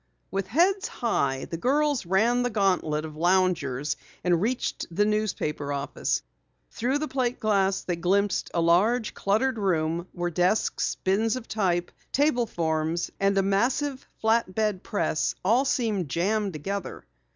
With heads high the girls ran the gantlet of loungers and reached the newspaper office. Through the plate glass they glimpsed a large, cluttered room where desks, bins of type, table forms and a massive flat bed press all seemed jammed together.